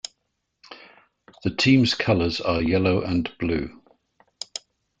The team's colours are yellow and blue.